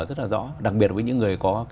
rất là rõ đặc biệt với những người có